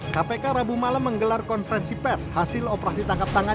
kpk rabu malam menggelar konferensi pers hasil operasi tangkap tangan